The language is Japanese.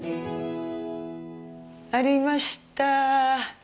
ありました。